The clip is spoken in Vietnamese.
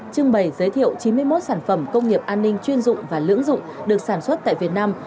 trưng bày giới thiệu chín mươi một sản phẩm công nghiệp an ninh chuyên dụng và lưỡng dụng được sản xuất tại việt nam